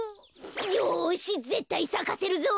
よしぜったいさかせるぞ。